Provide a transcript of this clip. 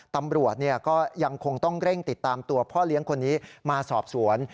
ตำรวจก็ยังคงต้องเร่งติดตามตัวพ่อเลี้ยงคนนี้มาสอบสวน